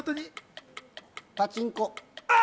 パチンコ。